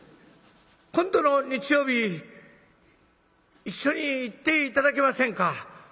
今度の日曜日一緒に行って頂けませんか？